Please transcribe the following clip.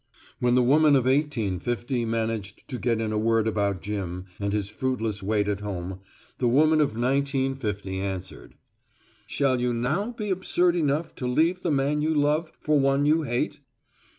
When the woman of 1850 managed to get in a word about Jim and his fruitless wait at home, the woman of 1950 answered, "Shall you now be absurd enough to leave the man you love for one you hate?"